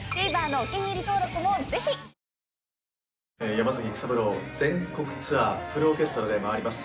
山崎育三郎全国ツアーフルオーケストラで回ります。